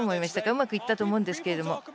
うまくいったと思うんですけども。